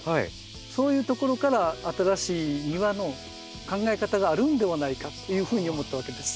そういうところから新しい庭の考え方があるんではないかっていうふうに思ったわけです。